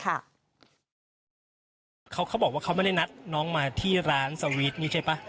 เขาบอกว่าเขาไม่ได้นัดน้องมาที่ร้านสวีทนี่ใช่ป่ะ